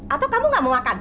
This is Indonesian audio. atau kamu gak mau makan